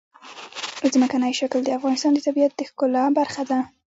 ځمکنی شکل د افغانستان د طبیعت د ښکلا برخه ده.